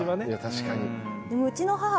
確かに。